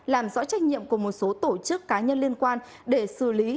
làm rõ trách nhiệm của một số tổ chức cá nhân liên quan để xử lý